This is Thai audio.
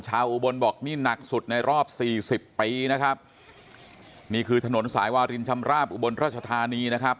อุบลบอกนี่หนักสุดในรอบสี่สิบปีนะครับนี่คือถนนสายวารินชำราบอุบลราชธานีนะครับ